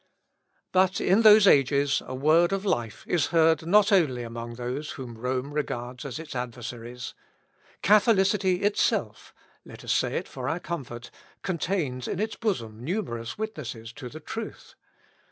But in those ages, a word of life is heard not only among those whom Rome regards as its adversaries; Catholicity itself let us say it for our comfort contains in its bosom numerous witnesses to the truth.